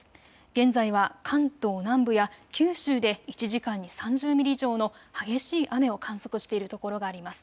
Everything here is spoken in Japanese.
現在は関東南部や九州で１時間に３０ミリ以上の激しい雨を観測しているところがあります。